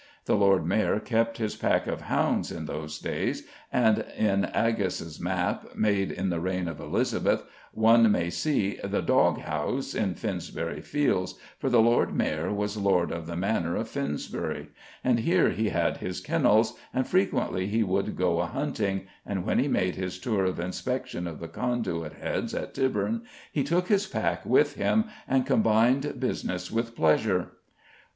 The Lord Mayor kept his pack of hounds in those days, and in Aggas's map, made in the reign of Elizabeth, one may see the "dogge house" in Finsbury Fields, for the Lord Mayor was Lord of the Manor of Finsbury, and here he had his kennels, and frequently he would go a hunting, and when he made his tour of inspection of the Conduit heads at Tybourne, he took his pack with him and combined business with pleasure.